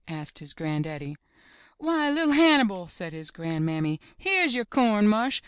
'* asked his gran'daddy. 'Why, Li'r Hannibal," said his gran'mammy, '^here's your corn mush.